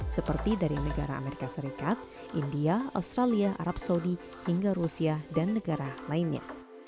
seperti dari negara amerika serikat india australia arab saudi hingga rusia dan negara lainnya